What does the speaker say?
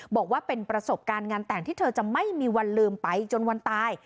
บอกว่าเป็นประสบการณ์งานแต่งที่เธอจะไม่มีวันลืมไปจนวันตาย